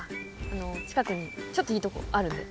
あの近くにちょっといいとこあるんで。